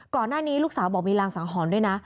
ก่อนหน้านี้ลูกสาวบอกมีรางสังหรณ์ด้วยนะ